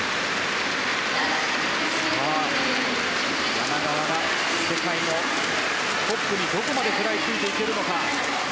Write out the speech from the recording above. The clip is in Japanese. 柳川が世界のトップにどこまで食らいついていけるのか。